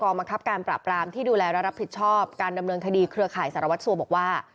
กรอบก็มาครับการปรากราบรามที่ดูแลและรับผิดชอบการดำเนินคดีเครือข่ายสารวัฒนภาษีบอกว่า